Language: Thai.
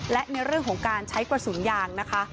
และในเรื่องของการใช้กระสุนยางนะคะ